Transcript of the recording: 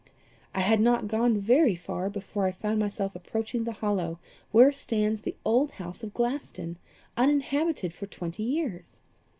"I had not gone very far before I found myself approaching the hollow where stands the old house of Glaston, uninhabited for twenty years.